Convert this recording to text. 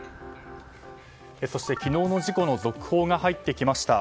そして、昨日の事故の続報が入ってきました。